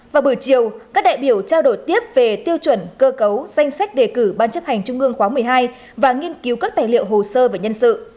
vào buổi chiều các đại biểu trao đổi tiếp về tiêu chuẩn cơ cấu danh sách đề cử ban chấp hành trung ương quá một mươi hai và nghiên cứu các tài liệu